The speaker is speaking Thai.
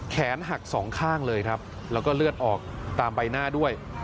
แขนหักสองข้างเลยครับแล้วก็เลือดออกตามใบหน้าด้วย